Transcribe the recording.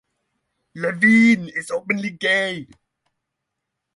Levine is openly gay.